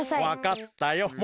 わかったよ。